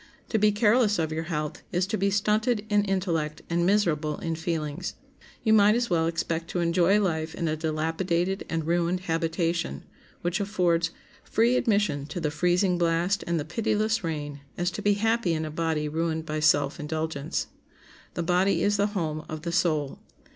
To be careless of your health is to be stunted in intellect and miserable in feelings. You might as well expect to enjoy life in a dilapidated and ruined habitation, which affords free admission to the freezing blast and the pitiless rain, as to be happy in a body ruined by self indulgence. The body is the home of the soul.